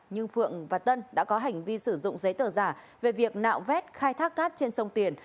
nhưng phượng và tân đã có hành vi sử dụng giấy tờ giả về việc nạo vét khai thác cát trên sông tiền